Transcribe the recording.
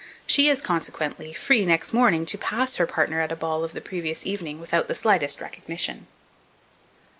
She is, consequently, free, next morning, to pass her partner at a ball of the previous evening without the slightest recognition.